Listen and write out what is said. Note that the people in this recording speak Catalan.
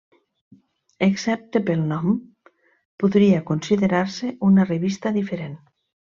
Excepte pel nom, podria considerar-se una revista diferent.